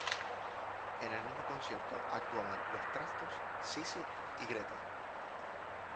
En el mismo concierto actuaban los Trastos, Sissi y Greta.